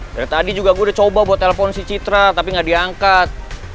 dari tadi juga gue udah coba buat telpon si citra tapi gak diangkat